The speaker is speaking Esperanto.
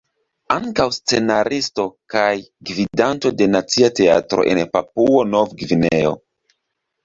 Ankaŭ scenaristo kaj gvidanto de Nacia Teatro en Papuo-Nov-Gvineo.